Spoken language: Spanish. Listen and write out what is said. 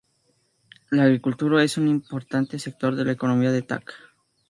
La agricultura es un importante sector de la economía de Tak.